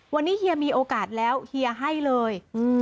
วันนี้เฮียมีโอกาสแล้วเฮียให้เลย